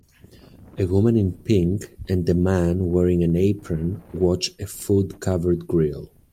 A woman in pink and a man wearing an apron watch a food covered grill.